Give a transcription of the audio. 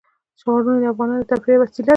ښارونه د افغانانو د تفریح یوه وسیله ده.